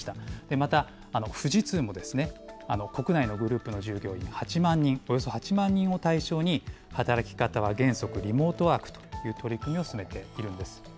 また、富士通も国内のグループの従業員８万人、およそ８万人を対象に働き方は原則リモートワークという取り組みを進めているんです。